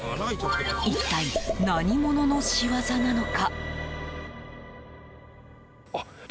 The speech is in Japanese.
一体、何者の仕業なのか。